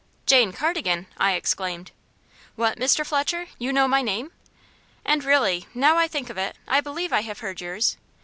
"Jane Cardigan!" I exclaimed. "What, Mr. Fletcher, you know my name! And really, now I think of it, I believe I have heard yours.